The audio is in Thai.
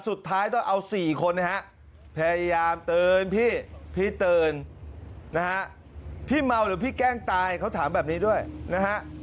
สุดท้ายต้องเอา๔คนนะฮะพยายามเตือนพี่พี่ตื่นนะฮะพี่เมาหรือพี่แกล้งตายเขาถามแบบนี้ด้วยนะฮะ